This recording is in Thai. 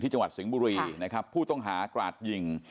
จังหวัดสิงห์บุรีนะครับผู้ต้องหากราดยิง